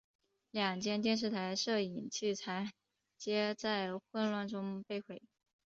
两间电视台摄影器材皆在混乱中被毁。